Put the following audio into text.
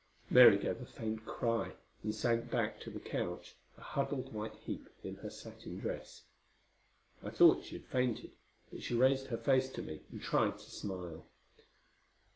Mary gave a faint cry and sank back to the couch, a huddled white heap in her satin dress. I thought she had fainted, but she raised her face to me and tried to smile.